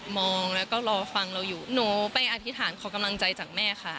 มองแล้วก็รอฟังเราอยู่หนูไปอธิษฐานขอกำลังใจจากแม่ค่ะ